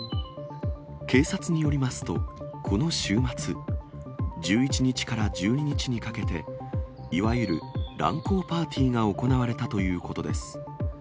警察によりますと、この週末１１日から１２日にかけて、いわゆる乱交パーティーが行われたということです。